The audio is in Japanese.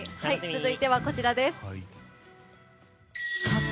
続いては、こちらです。